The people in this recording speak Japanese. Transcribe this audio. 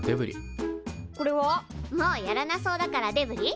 もうやらなそうだからデブリ？